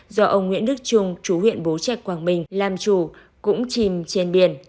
do ông nguyễn đức trung chủ huyện bố trẻ quảng bình làm chủ cũng chìm trên biển